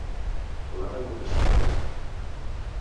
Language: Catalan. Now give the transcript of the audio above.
L'han hagut de suturar?